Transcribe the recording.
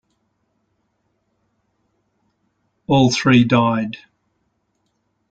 All three died.